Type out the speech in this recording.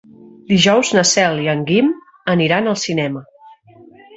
Dijous na Cel i en Guim aniran al cinema.